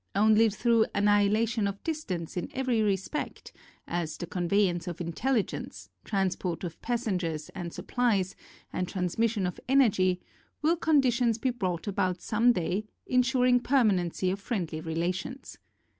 Only thru annihilation of distance in every respect as, the conveyance of intelligence, transport of passengers and supplies and transmission of energy will conditions be brought about some day, insuring permanency of friendly relations.